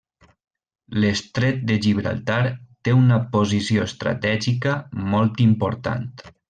L'estret de Gibraltar té una posició estratègica molt important.